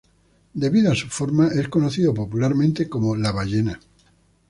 Debido a su forma, es conocido popularmente como "la ballena".